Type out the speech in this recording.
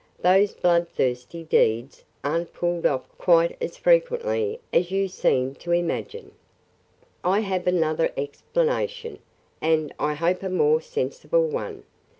Those blood thirsty deeds are n't pulled off quite as frequently as you seem to imagine. I have another explanation and, I hope a more sensible one.